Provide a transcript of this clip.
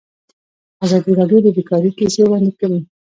ازادي راډیو د بیکاري کیسې وړاندې کړي.